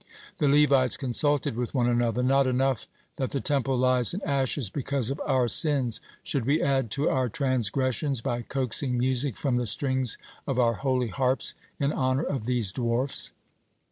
The Levites consulted with one another. "Not enough that the Temple lies in ashes because of our sins, should we add to our transgressions by coaxing music from the strings of our holy harps in honor of these 'dwarfs'?"